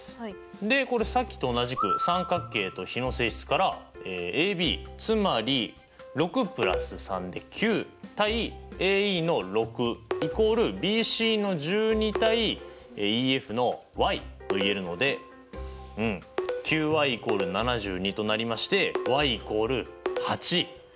でこれさっきと同じく三角形と比の性質からＡＢつまり６＋３で９：ＡＥの６＝ＢＣの１２：ＥＦのｙといえるので９ｙ＝７２となりましてｙ＝８。よし。